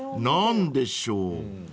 ［何でしょう？］